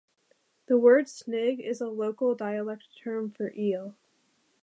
The word snig is a local dialect term for eel.